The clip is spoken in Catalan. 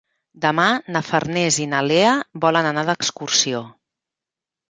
Demà na Farners i na Lea volen anar d'excursió.